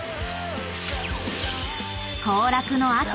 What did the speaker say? ［行楽の秋！］